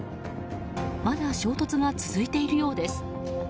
まだ衝突が続いているようです。